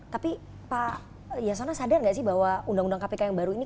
tapi pak yasona sadar nggak sih bahwa undang undang kpk yang baru ini